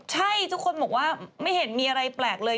ใช่ทุกคนบอกว่าไม่เห็นมีอะไรแปลกเลย